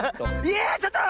いやちょっと！